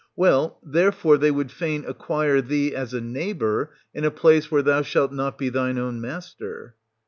Well, therefore they would fain acquire thee as a neighbour, in a place where thou shalt not be thine own master.